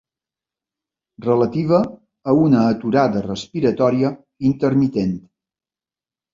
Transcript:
Relativa a una aturada respiratòria intermitent.